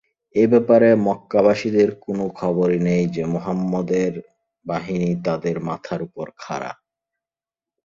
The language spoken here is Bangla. এ ব্যাপারে মক্কাবাসীদের কোন খবরই নেই যে, মুহাম্মাদের বাহিনী তাদের মাথার উপর খাড়া।